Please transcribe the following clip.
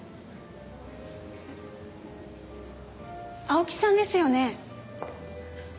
青木さんですよね？